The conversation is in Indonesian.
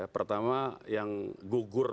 pertama yang gugur